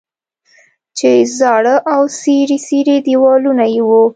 چې زاړه او څیري څیري دیوالونه یې وو.